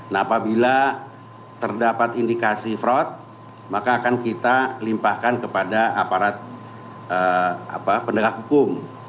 nah apabila terdapat indikasi fraud maka akan kita limpahkan kepada aparat penegak hukum